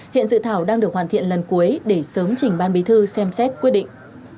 hiện dự thảo đang được hoàn thiện lần cuối để sớm chỉnh ban bí thư xem xét quyết định